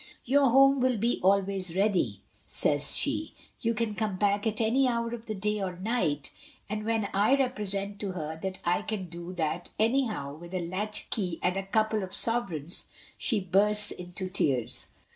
*Your home will be always ready/ says she. *You can come back at any hour of the day or night/ and when I represent to her that I can do that anyhow with a latchkey and a couple of sover eigns, she bursts into tears.